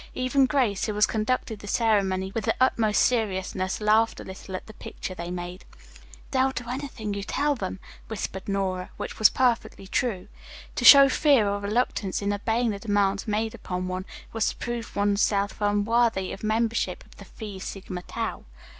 Even Grace, who was conducting the ceremony with the utmost seriousness, laughed a little at the picture they made. "They'll do anything you tell them," whispered Nora. Which was perfectly true. To show fear or reluctance in obeying the demands made upon one, was to prove one's self unworthy of membership in the Phi Sigma Tau.